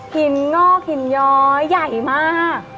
หินงอกหินย้อยใหญ่มาก